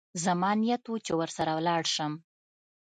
زما نيت و چې ورسره ولاړ سم.